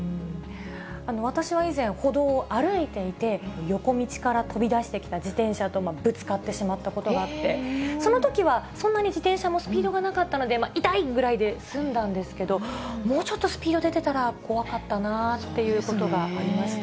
私は以前、歩道を歩いていて、横道から飛び出してきた自転車とぶつかってしまったことがあって、そのときは、そんなに自転車もスピードがなかったので、痛い！ぐらいで済んだんですけど、もうちょっとスピード出てたら怖かったなっていうことがありまし